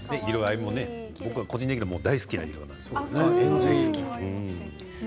個人的には大好きな色なんですよね。